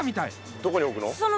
どこにおくの？